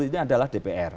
ini adalah dpr